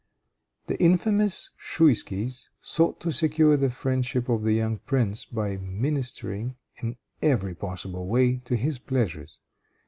The infamous Schiouskies sought to secure the friendship of the young prince by ministering, in every possible way, to his pleasures.